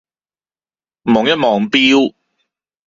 望一望錶